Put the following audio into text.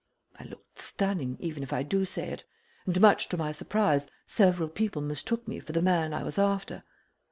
I looked stunning, even if I do say it, and much to my surprise several people mistook me for the man I was after.